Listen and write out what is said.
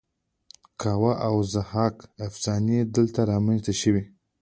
کاوه او ضحاک افسانې دلته رامینځته شوې